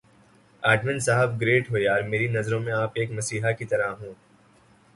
admin صاحب great ہو یار میری نظروں میں آپ ایک مسیحا کی طرح ہوں